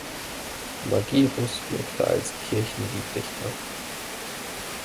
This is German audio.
Magirus wirkte als Kirchenlieddichter.